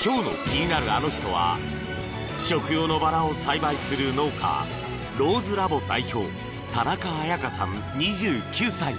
今日の気になるアノ人は食用のバラを栽培する農家ＲＯＳＥＬＡＢＯ代表田中綾華さん、２９歳。